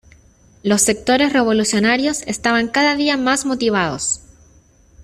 Los sectores revolucionarios estaban cada día más motivados.